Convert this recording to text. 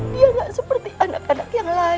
dia nggak seperti anak anak yang lain